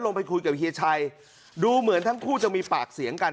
ลงไปคุยกับเฮียชัยดูเหมือนทั้งคู่จะมีปากเสียงกัน